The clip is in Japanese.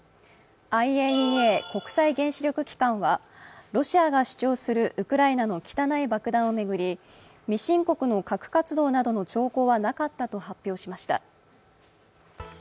ＩＡＥＡ＝国際原子力機関はロシアが主張するウクライナの汚い爆弾を巡り、未申告の核活動などの兆候はなかったと発表しました。